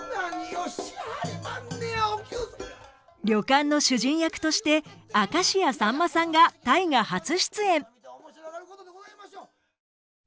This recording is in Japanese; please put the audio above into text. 旅館の主人役として明石家さんまさんが「大河」初出演。